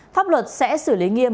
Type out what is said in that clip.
pháp luật sẽ xử lý nghiêm